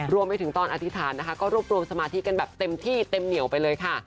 รวมไปถึงตอนอธิษฐานนะคะก็รวบรวมสมาธิกันแบบเต็มที่เต็มเหนียวไปเลยค่ะ